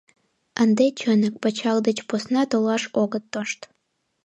Ынде чынак пычал деч посна толаш огыт тошт...